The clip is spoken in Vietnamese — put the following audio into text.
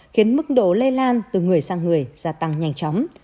khiến mức độ lây lan từ người sang người gia tăng nhanh chóng